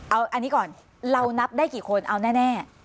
เอาอันนี้ก่อนเรานับได้กี่คนเอาแน่